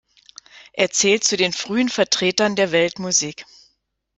Er zählt zu den frühen Vertretern der Weltmusik.